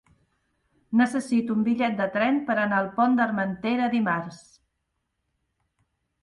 Necessito un bitllet de tren per anar al Pont d'Armentera dimarts.